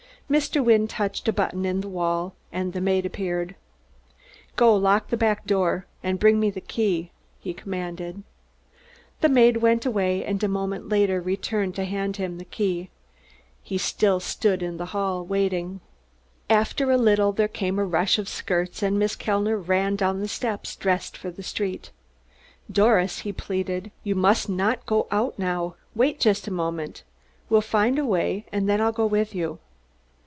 Mr. Wynne touched a button in the wall, and the maid appeared. "Go lock the back door, and bring me the key," he commanded. The maid went away, and a moment later returned to hand him the key. He still stood in the hall, waiting. After a little there came a rush of skirts, and Miss Kellner ran down the steps, dressed for the street. "Doris," he pleaded, "you must not go out now. Wait just a moment we'll find a way, and then I'll go with you."